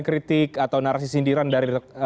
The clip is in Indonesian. kritik atau narasi sindiran dari